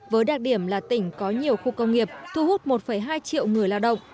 với đặc điểm là tỉnh có nhiều khu công nghiệp thu hút một hai triệu người lao động